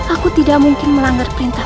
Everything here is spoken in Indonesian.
aku tidak mungkin melanggar perintah